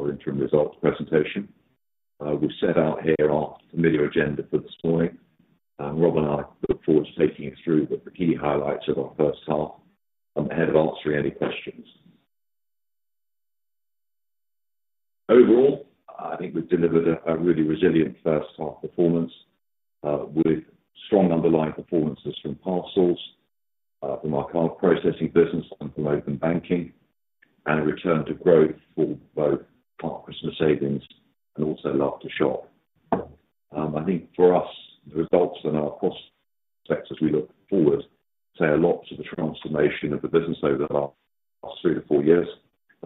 Welcome to our interim results presentation. We've set out here our familiar agenda for this morning, and Rob and I look forward to taking you through the key highlights of our first half, ahead of answering any questions. Overall, I think we've delivered a really resilient first half performance, with strong underlying performances from parcels, from our card processing business, and from open banking, and a return to growth for both Christmas savings and also Love2Shop. I think for us, the results and our cost sectors as we look forward, say a lot to the transformation of the business over the last three to four years,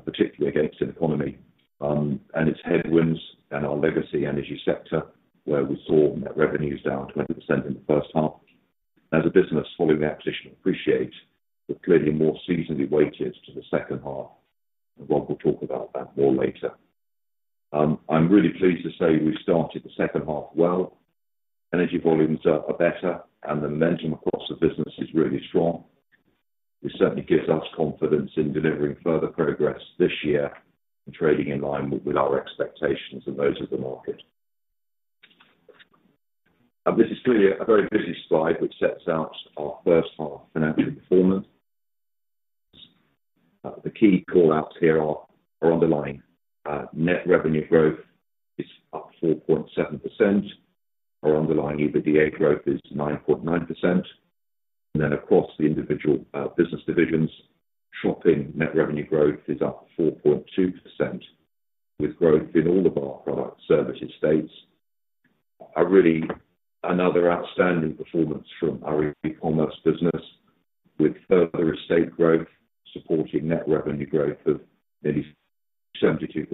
particularly against the economy, and its headwinds and our legacy energy sector, where we saw net revenues down 20% in the first half. As a business, following the acquisition, Appreciate that clearly more seasonally weighted to the second half, and Rob will talk about that more later. I'm really pleased to say we've started the second half well. Energy volumes are better, and the momentum across the business is really strong, which certainly gives us confidence in delivering further progress this year and trading in line with our expectations and those of the market. This is clearly a very busy slide, which sets out our first half financial performance. The key callouts here are, our underlying net revenue growth is up 4.7%. Our underlying EBITDA growth is 9.9%. Then across the individual business divisions, shopping net revenue growth is up 4.2%, with growth in all of our product service estates. Another outstanding performance from our e-commerce business, with further estate growth, supporting net revenue growth of nearly 72%,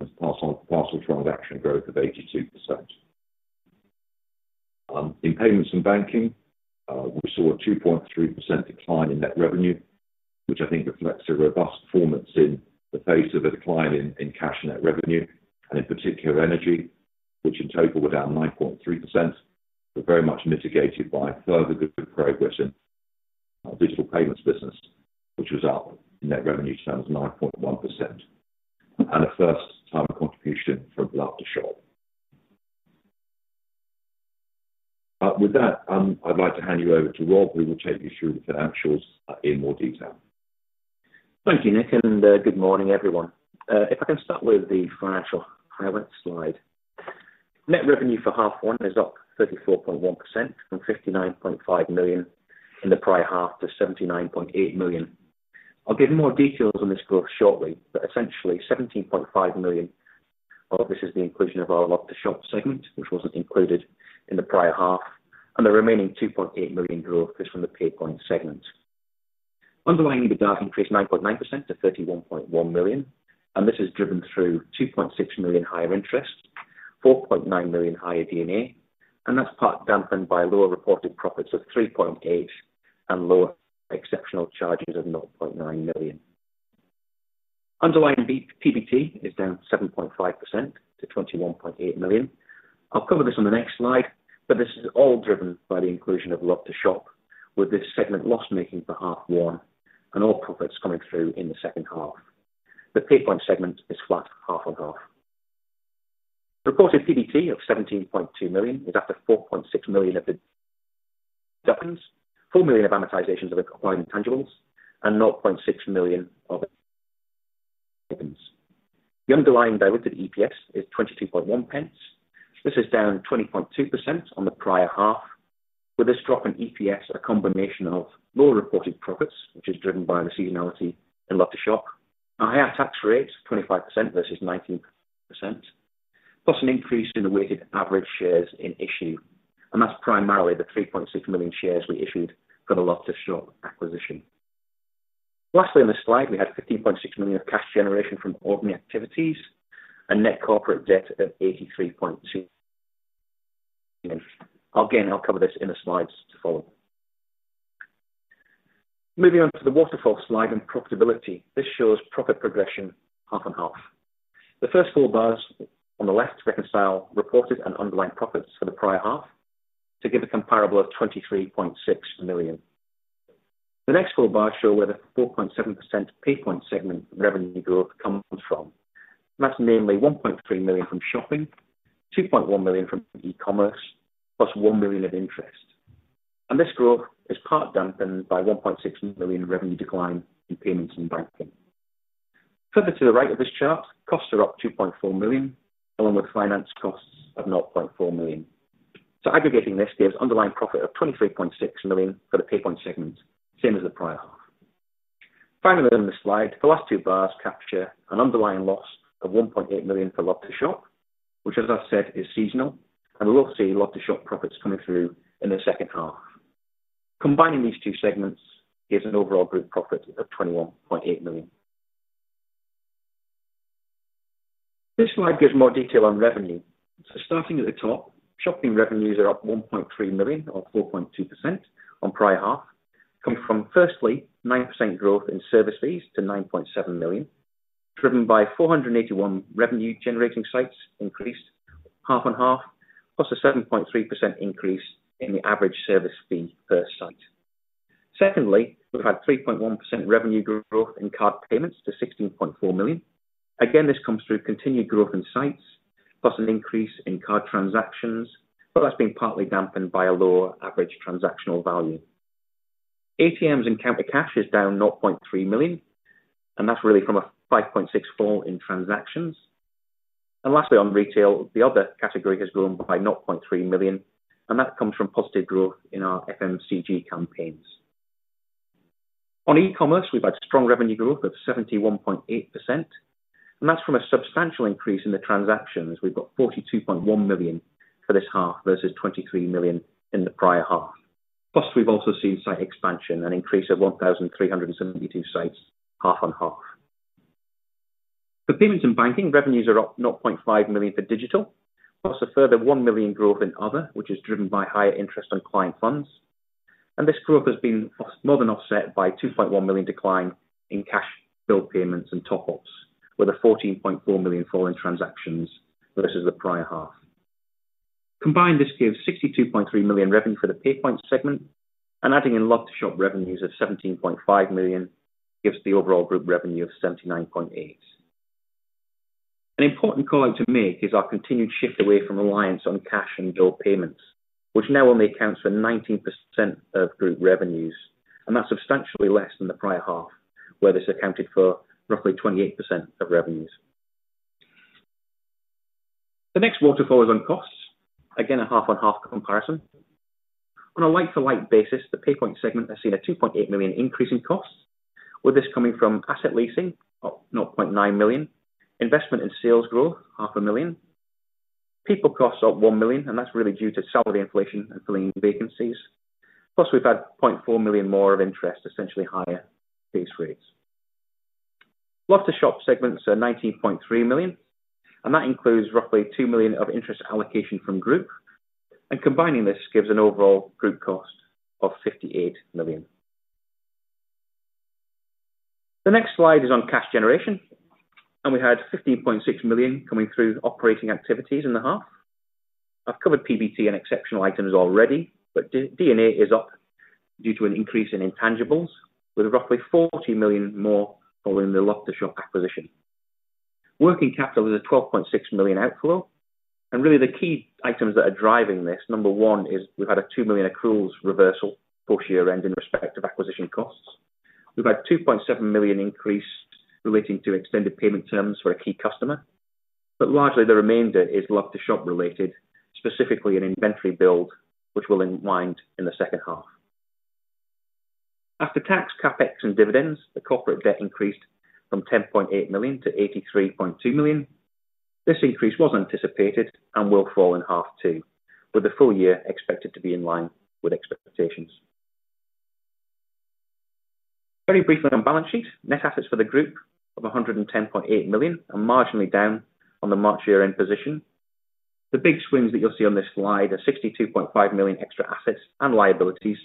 as parcel, parcel transaction growth of 82%. In payments and banking, we saw a 2.3% decline in net revenue, which I think reflects a robust performance in the face of a decline in, in cash net revenue, and in particular energy, which in total were down 9.3%, but very much mitigated by further good progress in our digital payments business, which was up net revenue terms of 9.1%, and a first time contribution from Love2Shop. With that, I'd like to hand you over to Rob, who will take you through the financials in more detail. Thank you, Nick, and good morning, everyone. If I can start with the financial highlight slide. Net revenue for half one is up 34.1% from 59.5 million in the prior half to 79.8 million. I'll give more details on this growth shortly, but essentially 17.5 million of this is the inclusion of our Love2Shop segment, which wasn't included in the prior half, and the remaining 2.8 million growth is from the PayPoint segment. Underlying EBITDA increased 9.9% to 31.1 million, and this is driven through 2.6 million higher interest, 4.9 million higher D&A, and that's part dampened by lower reported profits of 3.8 million and lower exceptional charges of 0.9 million. Underlying PBT is down 7.5% to 21.8 million. I'll cover this on the next slide, but this is all driven by the inclusion of Love2Shop, with this segment loss-making for half one, and all profits coming through in the second half. The PayPoint segment is flat half-on-half. Reported PBT of 17.2 million, is after 4.6 million of D&A, 4 million of amortizations of acquired intangibles, and 0.6 million of items. The underlying diluted EPS is 22.1 pence. This is down 20.2% on the prior half, with this drop in EPS a combination of lower reported profits, which is driven by the seasonality in Love2Shop, a higher tax rate of 25% versus 19%, plus an increase in the weighted average shares in issue. That's primarily the 3.6 million shares we issued for the Love2Shop acquisition. Lastly, on this slide, we had 15.6 million of cash generation from operating activities, and net corporate debt of 83.2 million. Again, I'll cover this in the slides to follow. Moving on to the waterfall slide and profitability. This shows profit progression half-on-half. The first four bars on the left reconcile reported and underlying profits for the prior half to give a comparable of 23.6 million. The next four bars show where the 4.7% PayPoint segment revenue growth comes from. That's namely 1.3 million from shopping, 2.1 million from e-commerce, plus 1 million in interest. And this growth is part dampened by 1.6 million in revenue decline in payments and banking. Further to the right of this chart, costs are up 2.4 million, along with finance costs of 0.4 million. So aggregating this gives underlying profit of 23.6 million for the PayPoint segment, same as the prior half. Finally, on this slide, the last two bars capture an underlying loss of 1.8 million for Love2Shop, which, as I've said, is seasonal, and we'll see Love2Shop profits coming through in the second half. Combining these two segments gives an overall group profit of 21.8 million. This slide gives more detail on revenue. So starting at the top, shopping revenues are up 1.3 million, or 4.2% on prior half, coming from firstly, 9% growth in services to 9.7 million, driven by 481 revenue generating sites increased half-on-half, plus a 7.3% increase in the average service fee per site.... Secondly, we've had 3.1% revenue growth in card payments to 16.4 million. Again, this comes through continued growth in sites, plus an increase in card transactions, but that's been partly dampened by a lower average transactional value. ATMs and counter cash is down 0.3 million, and that's really from a 5.6 fall in transactions. And lastly, on retail, the other category has grown by 0.3 million, and that comes from positive growth in our FMCG campaigns. On e-commerce, we've had strong revenue growth of 71.8%, and that's from a substantial increase in the transactions. We've got 42.1 million for this half, versus 23 million in the prior half. Plus, we've also seen site expansion, an increase of 1,372 sites, half-on-half. For payments and banking, revenues are up 0.5 million for digital, plus a further 1 million growth in other, which is driven by higher interest on client funds. This growth has been more than offset by 2.1 million decline in cash bill payments and top ups, with a 14.4 million fall in transactions versus the prior half. Combined, this gives 62.3 million revenue for the PayPoint segment, and adding in Love2Shop revenues of 17.5 million, gives the overall group revenue of 79.8 million. An important call out to make is our continued shift away from reliance on cash and bill payments, which now only accounts for 19% of group revenues, and that's substantially less than the prior half, where this accounted for roughly 28% of revenues. The next waterfall is on costs. Again, a half-on-half comparison. On a like-for-like basis, the PayPoint segment has seen a 2.8 million increase in costs, with this coming from asset leasing up 0.9 million, investment in sales growth, 0.5 million. People costs up 1 million, and that's really due to salary inflation and filling vacancies. Plus, we've had 0.4 million more of interest, essentially higher base rates. Love2Shop segment's costs are 19.3 million, and that includes roughly 2 million of interest allocation from Group. And combining this gives an overall group cost of 58 million. The next slide is on cash generation, and we had 15.6 million coming through operating activities in the half. I've covered PBT and exceptional items already, but D&A is up due to an increase in intangibles, with roughly 40 million more following the Love2Shop acquisition. Working capital is a 12.6 million outflow, and really, the key items that are driving this, number one, is we've had a 2 million accruals reversal post year-end in respect of acquisition costs. We've had 2.7 million increase relating to extended payment terms for a key customer, but largely the remainder is Love2Shop related, specifically an inventory build, which will unwind in the second half. After tax, CapEx and dividends, the corporate debt increased from 10.8 million to 83.2 million. This increase was anticipated and will fall in half too, with the full-year expected to be in line with expectations. Very briefly on balance sheet. Net assets for the group of 110.8 million, are marginally down on the March year-end position. The big swings that you'll see on this slide are 62.5 million extra assets and liabilities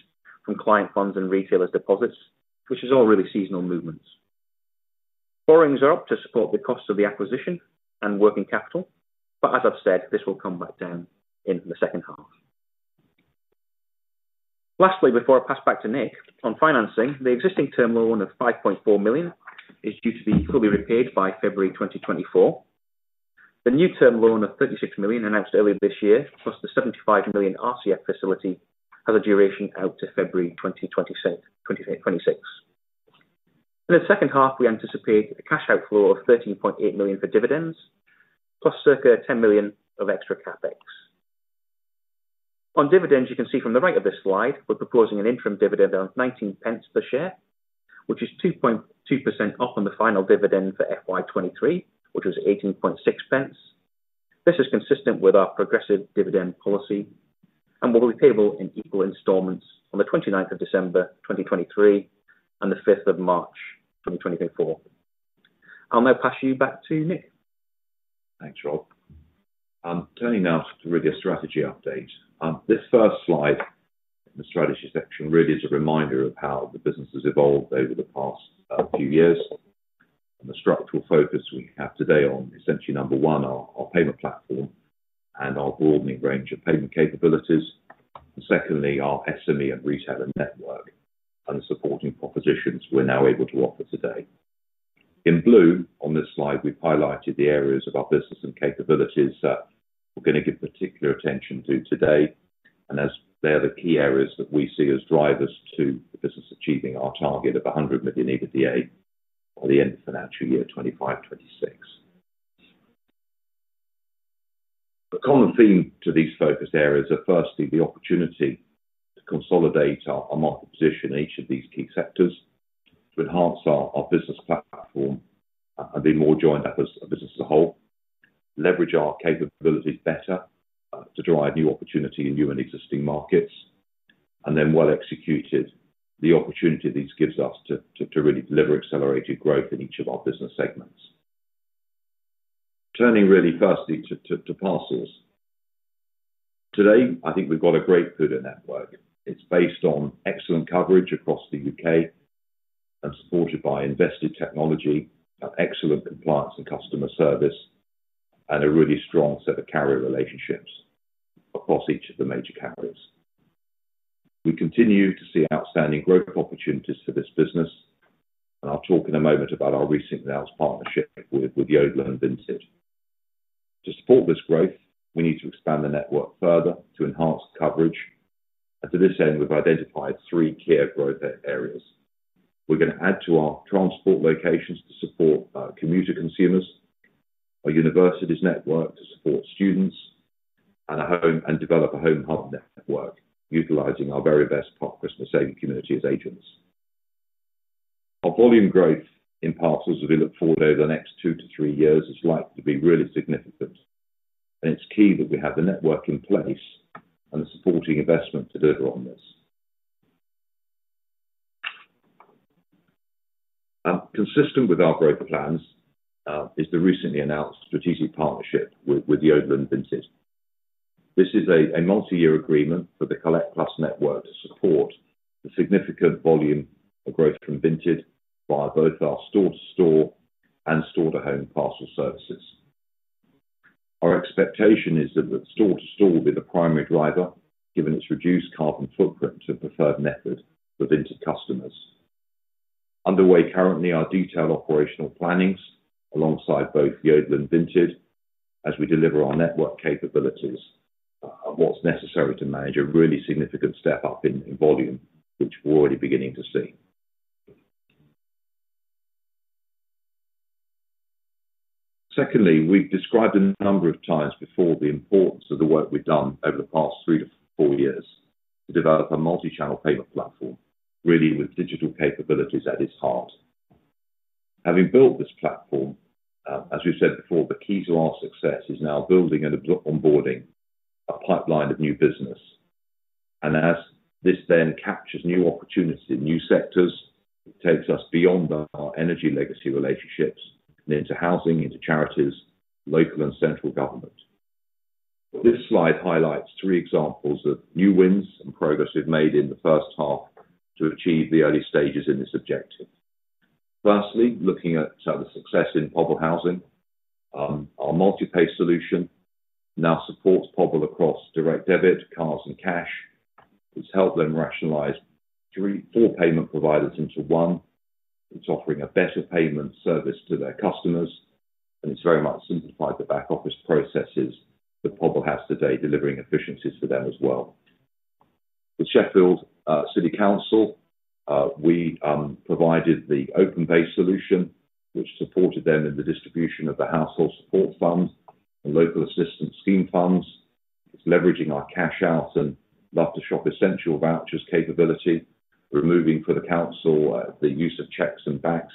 from client funds and retailers deposits, which is all really seasonal movements. Borrowings are up to support the cost of the acquisition and working capital, but as I've said, this will come back down in the second half. Lastly, before I pass back to Nick, on financing, the existing term loan of 5.4 million is due to be fully repaid by February 2024. The new term loan of 36 million, announced earlier this year, plus the 75 million RCF facility, has a duration out to February 2026, 2026. In the second half, we anticipate a cash outflow of 13.8 million for dividends, plus circa 10 million of extra CapEx. On dividends, you can see from the right of this slide, we're proposing an interim dividend of 19 pence per share, which is 2.2% up on the final dividend for FY 2023, which was 18.6 pence. This is consistent with our progressive dividend policy and will be payable in equal installments on the 29th of December 2023, and the 5th of March 2024. I'll now pass you back to Nick. Thanks, Rob. Turning now to really a strategy update. This first slide, the strategy section, really is a reminder of how the business has evolved over the past few years. And the structural focus we have today on essentially, number one, our payment platform and our broadening range of payment capabilities. And secondly, our SME and retailer network, and the supporting propositions we're now able to offer today. In blue, on this slide, we've highlighted the areas of our business and capabilities that we're going to give particular attention to today. And as they are the key areas that we see as drivers to the business achieving our target of 100 million EBITDA by the end of financial year 2025, 2026. The common theme to these focus areas are, firstly, the opportunity to consolidate our market position in each of these key sectors, to enhance our business platform, and be more joined up as a business as a whole, leverage our capabilities better, to drive new opportunity in new and existing markets, and then well executed, the opportunity this gives us to really deliver accelerated growth in each of our business segments. Turning really firstly to Parcels. Today, I think we've got a great PUDO network. It's based on excellent coverage across the U.K. and supported by invested technology and excellent compliance and customer service, and a really strong set of carrier relationships across each of the major carriers. We continue to see outstanding growth opportunities for this business, and I'll talk in a moment about our recently announced partnership with, with Yodel and Vinted. To support this growth, we need to expand the network further to enhance coverage, and to this end, we've identified three key growth areas. We're going to add to our transport locations to support commuter consumers, our universities network to support students, and develop a home hub network utilizing our very best partner, Christmas Savings community as agents. Our volume growth in parcels, as we look forward over the next two to three years, is likely to be really significant, and it's key that we have the network in place and the supporting investment to deliver on this. Consistent with our growth plans, is the recently announced strategic partnership with, with Yodel and Vinted. This is a multi-year agreement for the Collect+ network to support the significant volume of growth from Vinted via both our store-to-store and store-to-home parcel services. Our expectation is that the store-to-store will be the primary driver, given its reduced carbon footprint to a preferred method for Vinted customers. Underway currently, our detailed operational planning, alongside both Yodel and Vinted, as we deliver our network capabilities of what's necessary to manage a really significant step up in volume, which we're already beginning to see. Secondly, we've described a number of times before the importance of the work we've done over the past three to four years to develop a multi-channel payment platform, really, with digital capabilities at its heart. Having built this platform, as we've said before, the key to our success is now building and onboarding a pipeline of new business. As this then captures new opportunities in new sectors, it takes us beyond our energy legacy relationships and into housing, into charities, local and central government. This slide highlights three examples of new wins and progress we've made in the first half to achieve the early stages in this objective. Firstly, looking at the success in Pobl housing, our MultiPay solution now supports Pobl across direct debit, cards, and cash. It's helped them rationalize three, four payment providers into one. It's offering a better payment service to their customers, and it's very much simplified the back-office processes that Pobl has today, delivering efficiencies for them as well. With Sheffield City Council, we provided the open pay solution, which supported them in the distribution of the Household Support Fund and Local Assistance Scheme funds. It's leveraging our cash out and Love2Shop essential vouchers capability, removing for the council use of cheques and Bacs.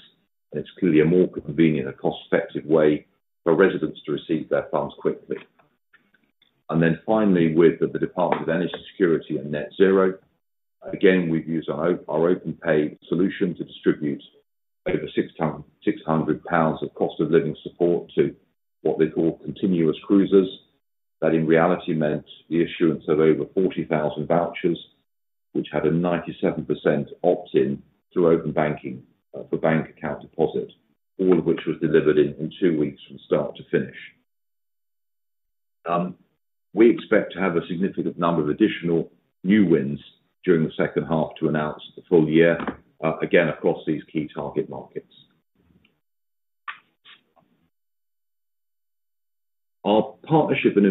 It's clearly a more convenient and cost-effective way for residents to receive their funds quickly. Then finally, with the Department of Energy Security and Net Zero, again, we've used our open pay solution to distribute over 600 pounds of cost of living support to what they call continuous cruisers. That, in reality, meant the issuance of over 40,000 vouchers, which had a 97% opt-in through open banking for bank account deposit, all of which was delivered in two weeks from start to finish. We expect to have a significant number of additional new wins during the second half to announce the full-year, again, across these key target markets. Our partnership and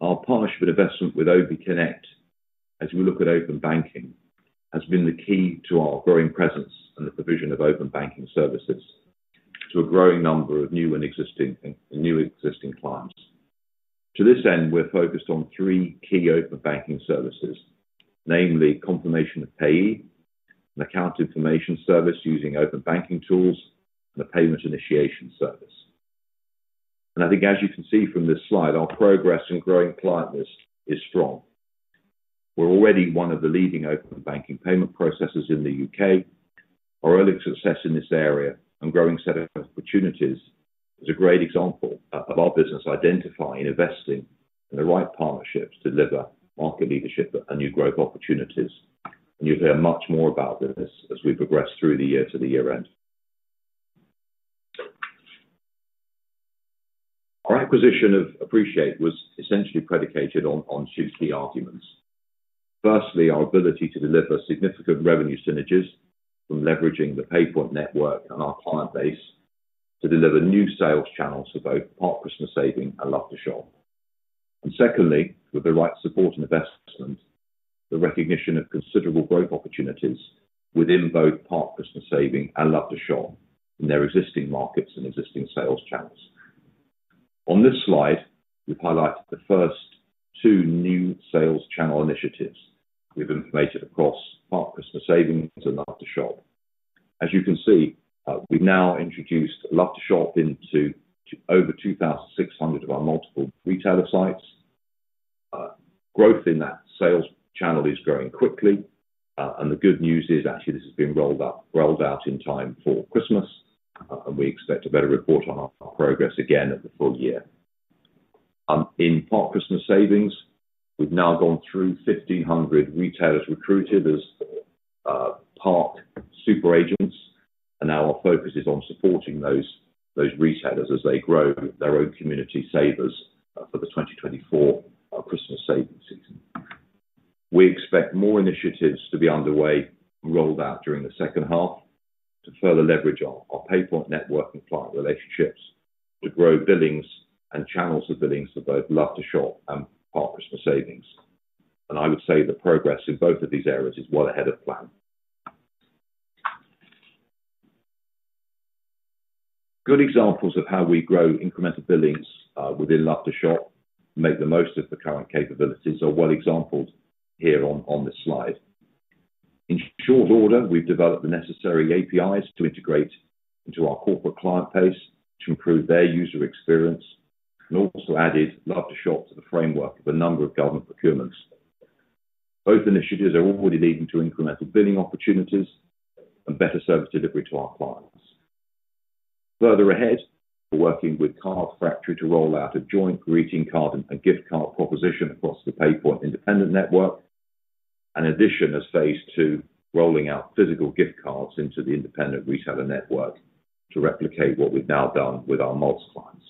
investment with Obi Connect, as we look at open banking, has been the key to our growing presence and the provision of open banking services to a growing number of new and existing, and new and existing clients. To this end, we're focused on three key open banking services, namely Confirmation of Payee, an account information service using open banking tools, and a payment initiation service. I think, as you can see from this slide, our progress in growing client list is strong. We're already one of the leading open banking payment processors in the U.K. Our early success in this area and growing set of opportunities is a great example of our business identifying and investing in the right partnerships to deliver market leadership and new growth opportunities. And you'll hear much more about this as we progress through the year to the year-end. Our acquisition of Appreciate was essentially predicated on, on two key arguments. Firstly, our ability to deliver significant revenue synergies from leveraging the PayPoint network and our client base to deliver new sales channels for both Park Christmas Savings and Love2Shop. And secondly, with the right support and investment, the recognition of considerable growth opportunities within both Park Christmas Savings and Love2Shop in their existing markets and existing sales channels. On this slide, we've highlighted the first two new sales channel initiatives we've implemented across Park Christmas Savings and Love2Shop. As you can see, we've now introduced Love2Shop into over 2,600 of our multiple retailer sites. Growth in that sales channel is growing quickly, and the good news is actually this has been rolled up, rolled out in time for Christmas, and we expect to better report on our progress again at the full-year. In Park Christmas Savings, we've now gone through 1,500 retailers recruited as Park Super Agents, and now our focus is on supporting those retailers as they grow their own community savers for the 2024 Christmas saving season. We expect more initiatives to be underway and rolled out during the second half to further leverage our PayPoint network and client relationships, to grow billings and channels of billings for both Love2Shop and Partners for Savings. And I would say the progress in both of these areas is well ahead of plan. Good examples of how we grow incremental billings within Love2Shop make the most of the current capabilities are, well, examples here on this slide. In short order, we've developed the necessary APIs to integrate into our corporate client base to improve their user experience, and also added Love2Shop to the framework of a number of government procurements. Both initiatives are already leading to incremental billing opportunities and better service delivery to our clients. Further ahead, we're working with Card Factory to roll out a joint greeting card and gift card proposition across the PayPoint independent network. In addition, as phase two, rolling out physical gift cards into the independent retailer network to replicate what we've now done with our M&S clients.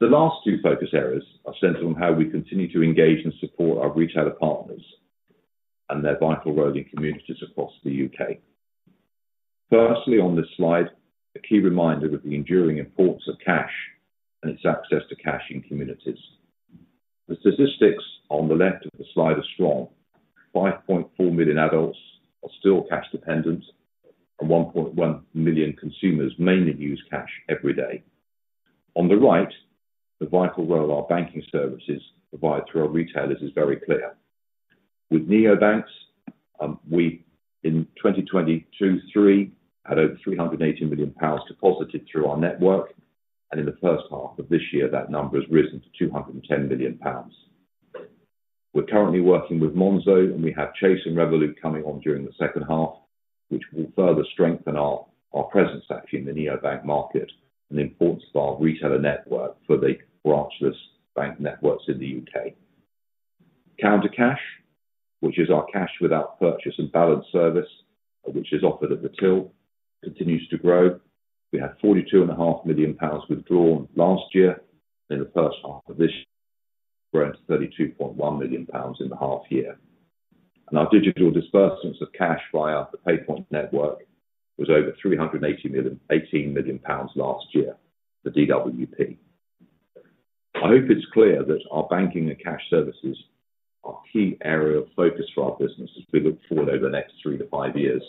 The last two focus areas are centered on how we continue to engage and support our retailer partners and their vital role in communities across the U.K. Firstly, on this slide, a key reminder of the enduring importance of cash and its access to cash in communities. The statistics on the left of the slide are strong. 5.4 million adults are still cash dependent, and 1.1 million consumers mainly use cash every day. On the right, the vital role our banking services provide through our retailers is very clear. With neobanks, we, in 2023, had over 380 million pounds deposited through our network, and in the first half of this year, that number has risen to 210 million pounds. We're currently working with Monzo, and we have Chase and Revolut coming on during the second half, which will further strengthen our presence actually, in the neobank market and the importance of our retailer network for the branchless bank networks in the U.K. Counter cash, which is our cash without purchase and balance service, which is offered at the till, continues to grow. We had 42.5 million pounds withdrawn last year. In the first half of this, we're at 32.1 million pounds in the half year. And our digital disbursements of cash via the PayPoint network was over 380 million, 18 million pounds last year for DWP. I hope it's clear that our banking and cash services are a key area of focus for our business as we look forward over the next three to five years,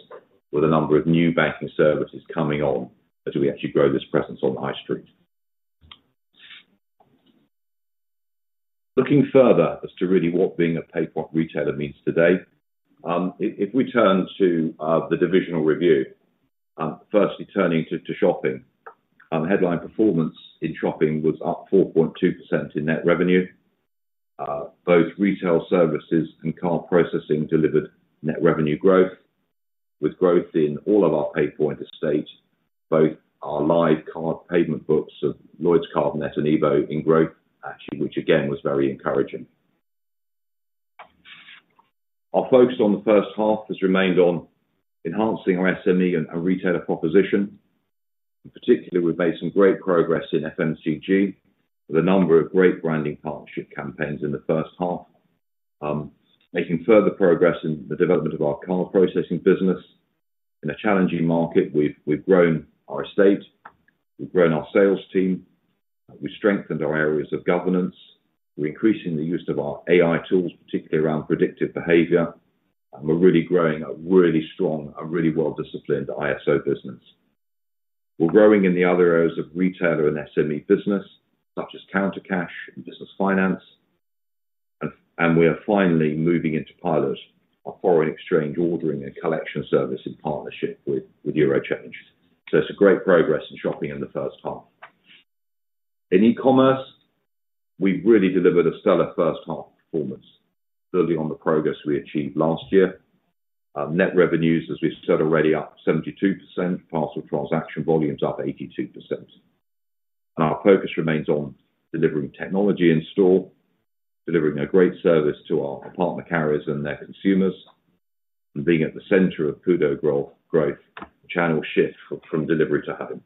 with a number of new banking services coming on as we actually grow this presence on the high street. Looking further as to really what being a PayPoint retailer means today, if we turn to the divisional review. Firstly, turning to shopping. Headline performance in shopping was up 4.2% in net revenue. Both retail services and card processing delivered net revenue growth, with growth in all of our PayPoint estate, both our live card payment books of Lloyds Cardnet and EVO in growth, actually, which again, was very encouraging. Our focus on the first half has remained on enhancing our SME and retailer proposition, and particularly, we've made some great progress in FMCG with a number of great branding partnership campaigns in the first half. Making further progress in the development of our card processing business. In a challenging market, we've grown our estate, we've grown our sales team, we've strengthened our areas of governance, we're increasing the use of our AI tools, particularly around predictive behavior, and we're really growing a really strong and really well-disciplined ISO business. We're growing in the other areas of retailer and SME business, such as counter cash and business finance, and we are finally moving into pilot our foreign exchange ordering and collection service in partnership with Eurochange. So it's a great progress in shopping in the first half. In e-commerce, we've really delivered a stellar first half performance, building on the progress we achieved last year. Net revenues, as we've said already, up 72%, parcel transaction volumes up 82%. Our focus remains on delivering technology in store, delivering a great service to our partner carriers and their consumers, and being at the center of PUDO growth, channel shift from delivery to home.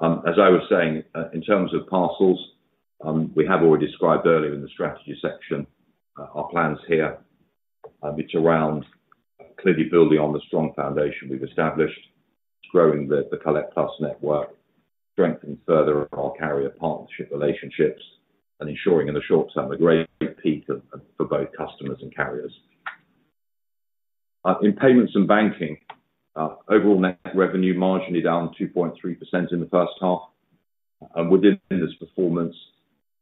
As I was saying, in terms of parcels, we have already described earlier in the strategy section, our plans here. It's around clearly building on the strong foundation we've established, growing the Collect+ network, strengthening further our carrier partnership relationships, and ensuring in the short term, a great peak for both customers and carriers. In payments and banking, overall net revenue marginally down 2.3% in the first half. And within this performance,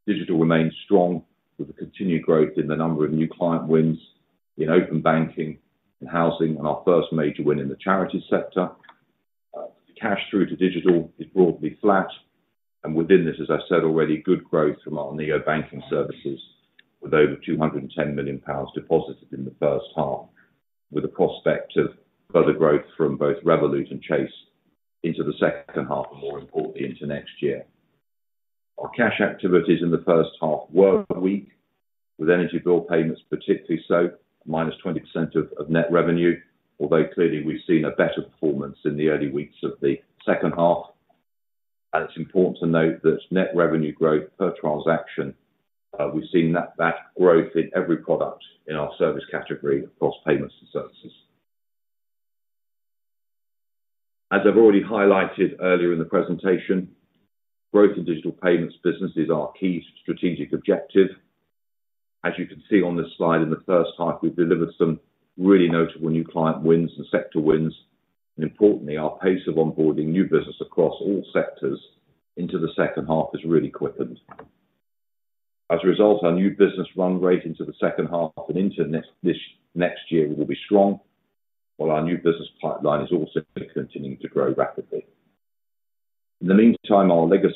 digital remains strong, with the continued growth in the number of new client wins in Open Banking and housing, and our first major win in the charity sector. Cash through to digital is broadly flat, and within this, as I said already, good growth from our Neobanking services, with over 210 million pounds deposited in the first half, with a prospect of further growth from both Revolut and Chase into the second half and more importantly, into next year. Our cash activities in the first half were weak, with energy bill payments, particularly so, -20% of net revenue, although clearly we've seen a better performance in the early weeks of the second half. It's important to note that net revenue growth per transaction, we've seen that, that growth in every product in our service category across payments and services. As I've already highlighted earlier in the presentation, growth in digital payments business is our key strategic objective. As you can see on this slide, in the first half, we've delivered some really notable new client wins and sector wins, and importantly, our pace of onboarding new business across all sectors into the second half has really quickened. As a result, our new business run rate into the second half and into next, this next year will be strong, while our new business pipeline is also continuing to grow rapidly. In the meantime, our legacy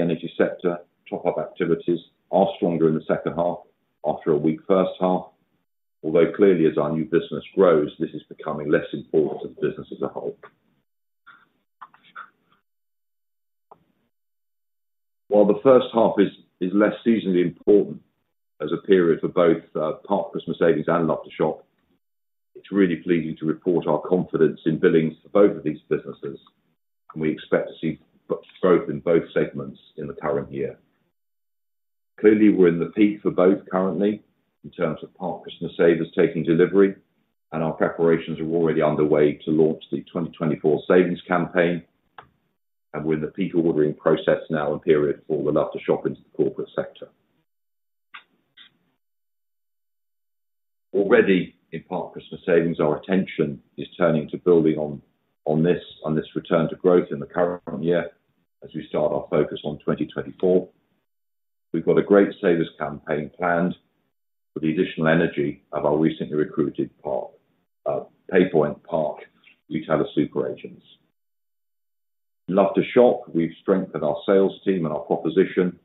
energy sector top-up activities are stronger in the second half after a weak first half, although clearly, as our new business grows, this is becoming less important to the business as a whole. While the first half is less seasonally important as a period for both Park Christmas Savings and Love2Shop, it's really pleasing to report our confidence in billings for both of these businesses, and we expect to see growth in both segments in the current year. Clearly, we're in the peak for both currently, in terms of Park Christmas Savings taking delivery, and our preparations are already underway to launch the 2024 savings campaign, and we're in the peak ordering process now and period for the Love2Shop into the corporate sector. Already in Park Christmas Savings, our attention is turning to building on this return to growth in the current year as we start our focus on 2024. We've got a great savers campaign planned for the additional energy of our recently recruited Park, PayPoint Park retailer super agents. In Love2Shop, we've strengthened our sales team and our proposition,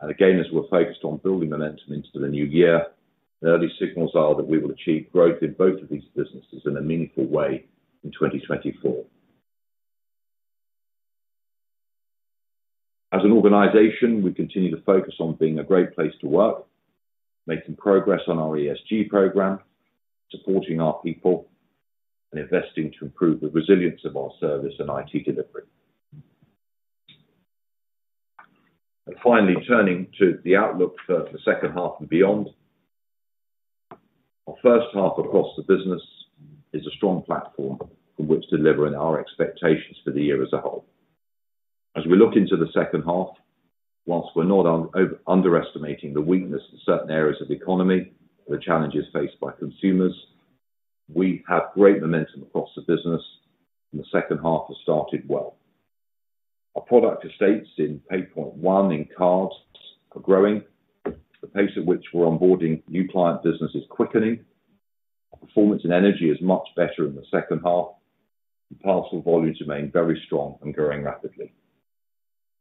and again, as we're focused on building momentum into the new year, the early signals are that we will achieve growth in both of these businesses in a meaningful way in 2024. As an organization, we continue to focus on being a great place to work, making progress on our ESG program, supporting our people, and investing to improve the resilience of our service and IT delivery. Finally, turning to the outlook for the second half and beyond. Our first half across the business is a strong platform from which delivering our expectations for the year as a whole. As we look into the second half, while we're not underestimating the weakness in certain areas of the economy, the challenges faced by consumers, we have great momentum across the business, and the second half has started well. Our product estates in PayPoint One, in Cards, are growing. The pace at which we're onboarding new client business is quickening. Our performance in energy is much better in the second half, and parcel volumes remain very strong and growing rapidly.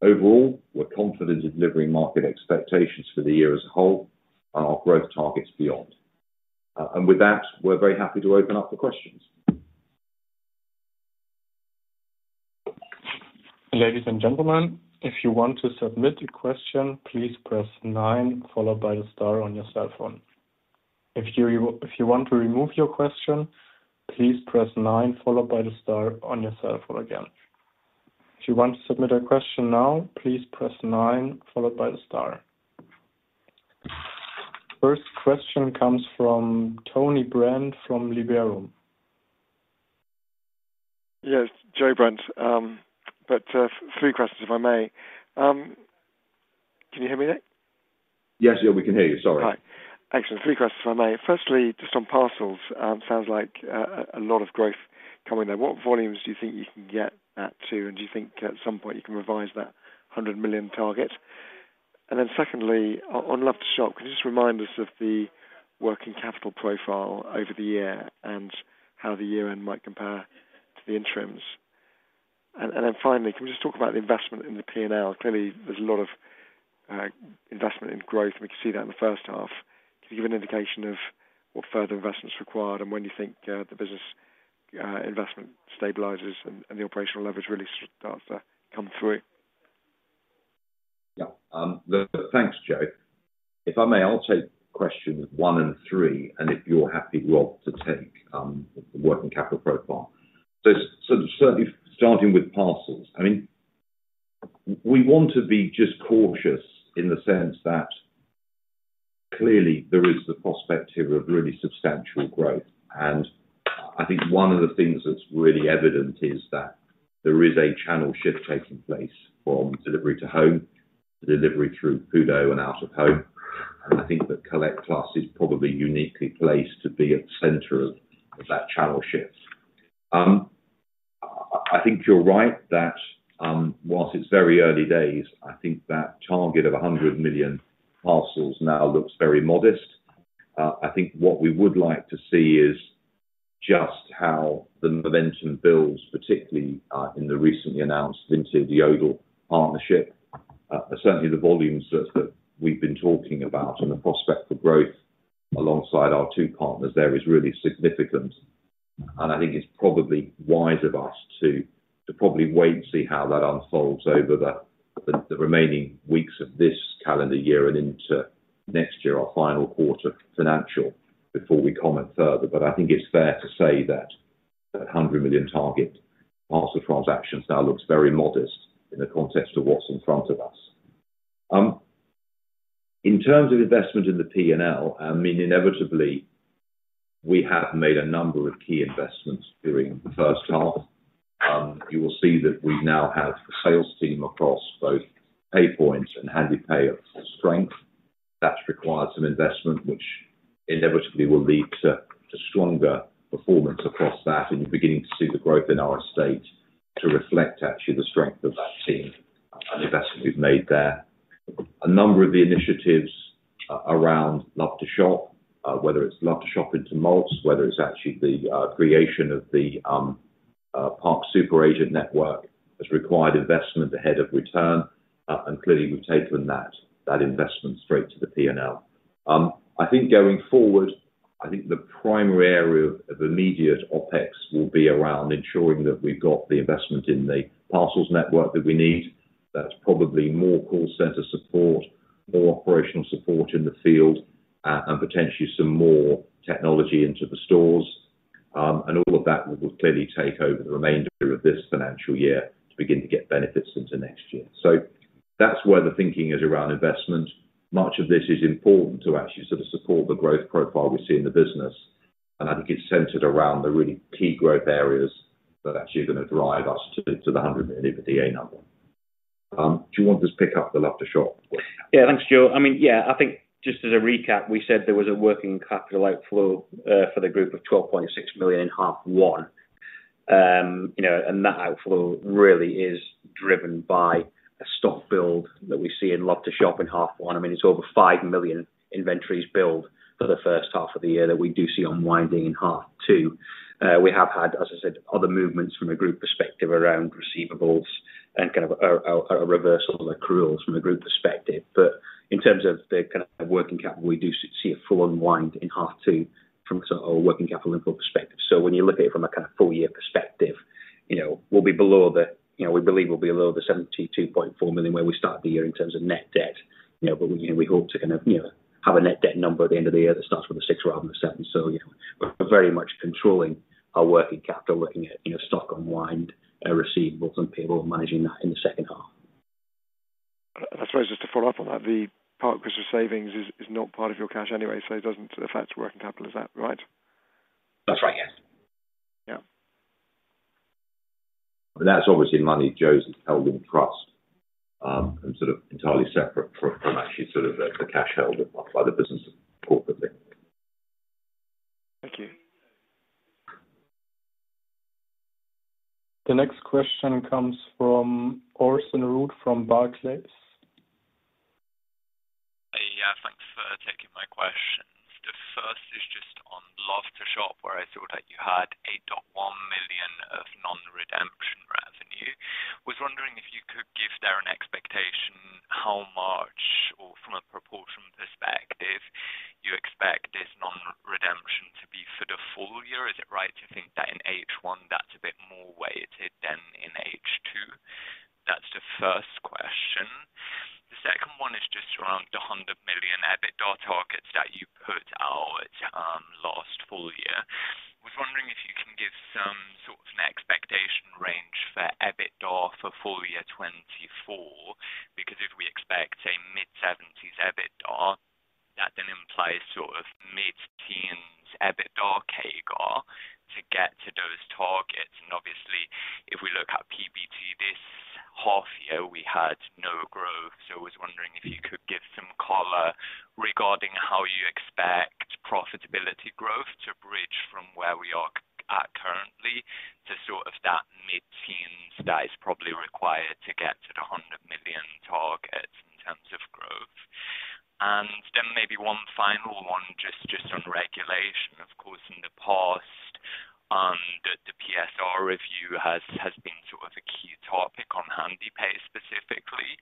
Overall, we're confident in delivering market expectations for the year as a whole and our growth targets beyond. And with that, we're very happy to open up the questions. Ladies and gentlemen, if you want to submit a question, please press nine, followed by the star on your cell phone. If you want to remove your question, please press nine, followed by the star on your cell phone again. If you want to submit a question now, please press nine, followed by the star. First question comes from Joe Brent, from Liberum. Yes, Joe Brent, but, three questions, if I may. Can you hear me Nick? Yes, Joe, we can hear you. Sorry. Hi. Excellent. Three questions, if I may. Firstly, just on parcels, sounds like a lot of growth coming there. What volumes do you think you can get that to? And do you think at some point you can revise that 100 million target? And then secondly, on Love2Shop, can you just remind us of the working capital profile over the year and how the year-end might compare to the interims? And then finally, can we just talk about the investment in the P&L? Clearly, there's a lot of investment in growth, and we can see that in the first half. Can you give an indication of what further investment is required and when you think the business investment stabilizes and the operational leverage really starts to come through? Yeah. Thanks, Joe. If I may, I'll take questions one and three, and if you're happy, Rob, to take the working capital profile. So certainly starting with parcels, I mean, we want to be just cautious in the sense that clearly there is the prospect of really substantial growth. And I think one of the things that's really evident is that there is a channel shift taking place from delivery to home, to delivery through PUDO and out of home. And I think that Collect+ is probably uniquely placed to be at the center of that channel shift. I think you're right that while it's very early days, I think that target of 100 million parcels now looks very modest. I think what we would like to see is just how the momentum builds, particularly, in the recently announced Vinted-Yodel partnership. Certainly the volumes that, that we've been talking about and the prospect for growth alongside our two partners there is really significant. And I think it's probably wise of us to, to probably wait and see how that unfolds over the, the, the remaining weeks of this calendar year and into next year, our final quarter financial, before we comment further. But I think it's fair to say that the 100 million target parcel transactions now looks very modest in the context of what's in front of us. In terms of investment in the P&L, I mean, inevitably, we have made a number of key investments during the first half. You will see that we now have a sales team across both PayPoint and Handepay of strength. That's required some investment, which inevitably will lead to stronger performance across that, and you're beginning to see the growth in our estate to reflect actually the strength of that team and investment we've made there. A number of the initiatives around Love2Shop, whether it's Love2Shop into Mults, whether it's actually the Park Super Agent network, has required investment ahead of return, and clearly, we've taken that investment straight to the P&L. I think going forward, I think the primary area of immediate OpEx will be around ensuring that we've got the investment in the parcels network that we need. That's probably more call center support, more operational support in the field, and potentially some more technology into the stores. And all of that will clearly take over the remainder of this financial year to begin to get benefits into next year. So that's where the thinking is around investment. Much of this is important to actually sort of support the growth profile we see in the business, and I think it's centered around the really key growth areas that are actually going to drive us to the 100 million EBITDA number. Do you want just pick up the Love2Shop? Yeah, thanks, Joe. I mean, yeah, I think just as a recap, we said there was a working capital outflow for the group of 12.6 million, half one. You know, and that outflow really is driven by a stock build that we see in Love2Shop in half one. I mean, it's over 5 million inventories build for the first half of the year that we do see unwinding in half two. We have had, as I said, other movements from a group perspective around receivables and kind of a reversal of accruals from a group perspective. But in terms of the kind of working capital, we do see a full unwind in half two from sort of a working capital perspective. So when you look at it from a kind of full-year perspective, you know, we'll be below the, you know, we believe we'll be below the 72.4 million, where we start the year in terms of net debt, you know, but we, we hope to kind of, you know, have a net debt number at the end of the year that starts with a six rather than a seven. So, you know, we're very much controlling our working capital, looking at, you know, stock unwind, receivables and payables, managing that in the second half. I suppose, just to follow up on that, the Park Christmas Savings is not part of your cash anyway, so it doesn't affect working capital as that, right? That's right, yes. Yeah. But that's obviously money Joe's held in trust, and sort of entirely separate from actually sort of the cash held by the business corporately. Thank you. The next question comes from, [inaudible] from Barclays. Hey. Yeah, thanks for taking my questions. The first is just on Love2Shop, where I saw that you had 8.1 million of non-redemption revenue. Was wondering if you could give there an expectation, how much, or from a proportion perspective, you expect this non-redemption to be for the full-year? Is it right to think that in H1, that's a bit more weighted than in H2? That's the first question. The second one is just around the 100 million EBITDA targets that you put out last full-year. I was wondering if you can give some sort of an expectation range for EBITDA for full-year 2024, because if we expect a mid-70s EBITDA, that then implies sort of mid-teens EBITDA CAGR to get to those targets. And obviously, if we look at PBT this half year, we had no growth. So I was wondering if you could give some color regarding how you expect profitability growth to bridge from where we are at currently to sort of that mid-teens that is probably required to get to the 100 million target in terms of growth. And then maybe one final one, just on regulation, of course, in the past, the PSR review has been sort of a key topic on Handepay specifically.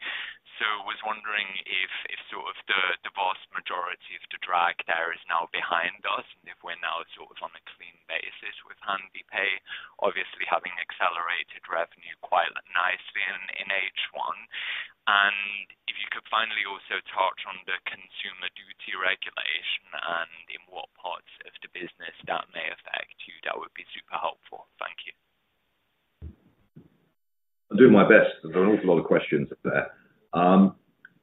So I was wondering if sort of the vast majority of the drag there is now behind us, and if we're now sort of on a clean basis with Handepay, obviously having accelerated revenue quite nicely in H1. And if you could finally also touch on the Consumer Duty regulation and in what parts of the business that may affect you, that would be super helpful. Thank you. I'll do my best. There are an awful lot of questions there.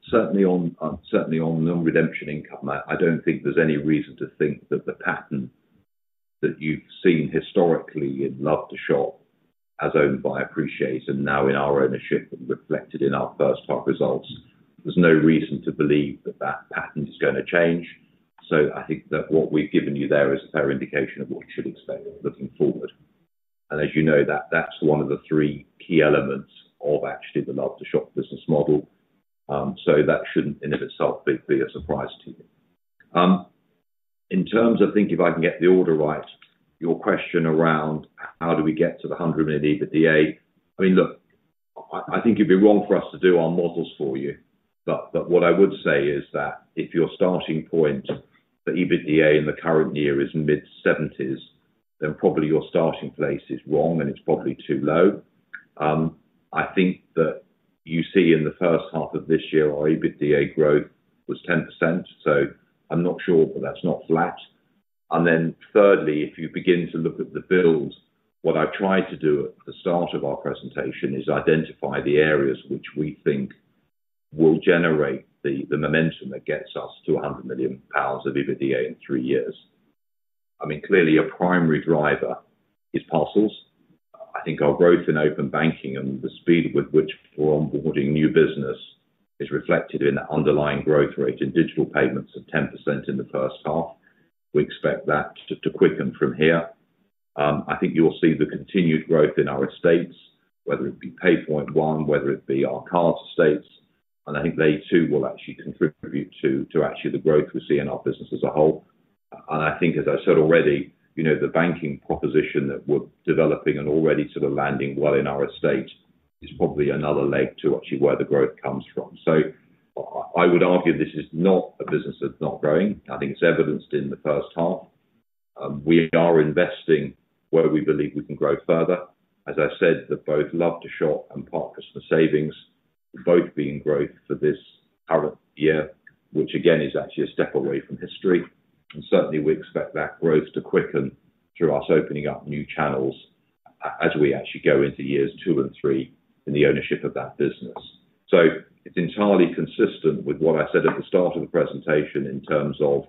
Certainly on the redemption income, I don't think there's any reason to think that the pattern that you've seen historically in Love2Shop, as owned by Appreciate and now in our ownership, reflected in our first half results, there's no reason to believe that that pattern is going to change. So I think that what we've given you there is a fair indication of what you should expect looking forward. And as you know, that, that's one of the three key elements of actually the Love2Shop business model. So that shouldn't in itself be a surprise to you. In terms of, I think, if I can get the order right, your question around how do we get to the 100 million EBITDA? I mean, look, I, I think it'd be wrong for us to do our models for you, but, but what I would say is that if your starting point for EBITDA in the current year is mid-70s, then probably your starting place is wrong, and it's probably too low. I think that you see in the first half of this year, our EBITDA growth was 10%, so I'm not sure, but that's not flat. And then thirdly, if you begin to look at the build, what I tried to do at the start of our presentation is identify the areas which we think will generate the, the momentum that gets us to 100 million pounds of EBITDA in three years. I mean, clearly, a primary driver is parcels. I think our growth in Open Banking and the speed with which we're onboarding new business is reflected in that underlying growth rate in digital payments of 10% in the first half. We expect that to quicken from here. I think you will see the continued growth in our estates, whether it be PayPoint One, whether it be our card estates, and I think they, too, will actually contribute to actually the growth we see in our business as a whole. And I think, as I said already, you know, the banking proposition that we're developing and already sort of landing well in our estate, is probably another leg to actually where the growth comes from. So I would argue this is not a business that's not growing. I think it's evidenced in the first half. We are investing where we believe we can grow further. As I said, that both Love2Shop and Park Christmas Savings are both being growth for this current year, which again, is actually a step away from history. Certainly, we expect that growth to quicken through us opening up new channels as we actually go into years two and three in the ownership of that business. It's entirely consistent with what I said at the start of the presentation in terms of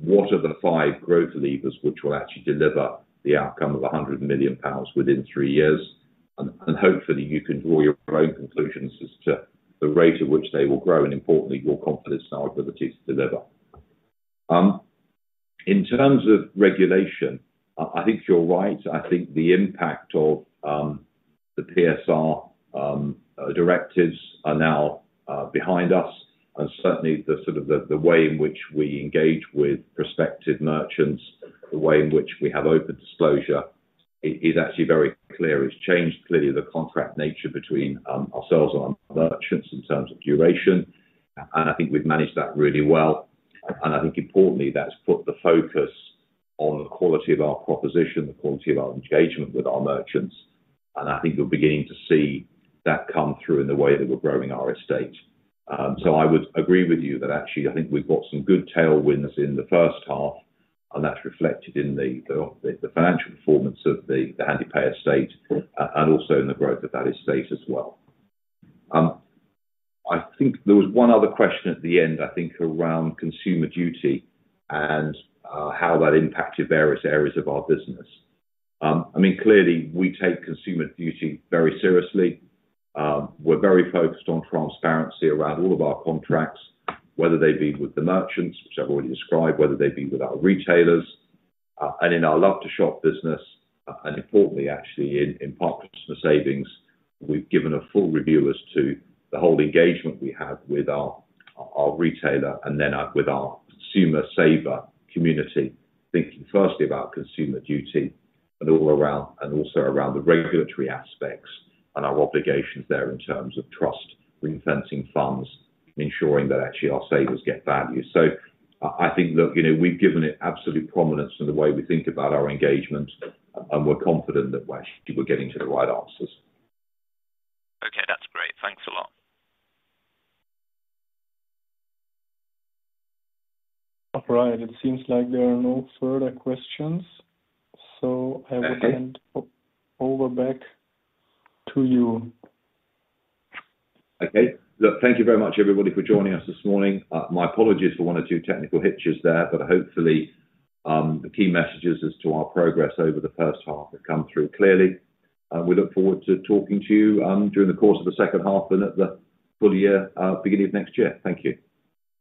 what are the five growth levers, which will actually deliver the outcome of 100 million pounds within three years? And hopefully, you can draw your own conclusions as to the rate at which they will grow, and importantly, your confidence in our ability to deliver. In terms of regulation, I think you're right. I think the impact of the PSR directives are now behind us, and certainly the sort of way in which we engage with prospective merchants, the way in which we have open disclosure, is actually very clear. It's changed clearly the contract nature between ourselves and our merchants in terms of duration, and I think we've managed that really well. I think importantly, that's put the focus on the quality of our proposition, the quality of our engagement with our merchants, and I think you're beginning to see that come through in the way that we're growing our estate. So I would agree with you that actually, I think we've got some good tailwinds in the first half, and that's reflected in the financial performance of the Handepay estate, and also in the growth of that estate as well. I think there was one other question at the end, I think, around Consumer Duty and how that impacted various areas of our business. I mean, clearly, we take Consumer Duty very seriously. We're very focused on transparency around all of our contracts, whether they be with the merchants, which I've already described, whether they be with our retailers, and in our Love2Shop business, and importantly, actually, in Park and Savings, we've given a full review as to the whole engagement we have with our retailer and then with our consumer saver community. Thinking firstly about Consumer Duty and all around, and also around the regulatory aspects and our obligations there in terms of trust, reinvesting funds, ensuring that actually our savers get value. So I, I think, look, you know, we've given it absolute prominence in the way we think about our engagement, and we're confident that, well, actually, we're getting to the right answers. Okay, that's great. Thanks a lot. All right. It seems like there are no further questions, so Okay. I will hand over back to you. Okay. Look, thank you very much, everybody, for joining us this morning. My apologies for one or two technical hitches there, but hopefully, the key messages as to our progress over the first half have come through clearly. We look forward to talking to you during the course of the second half and at the full-year, beginning of next year. Thank you.